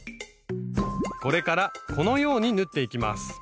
これからこのように縫っていきます。